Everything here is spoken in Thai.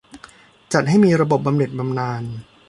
จัดให้มีระบบบำเหน็จบำนาญ